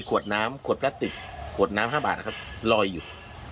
ขวดน้ำ๕บาทครับรอยอยู่